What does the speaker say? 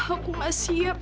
aku gak siap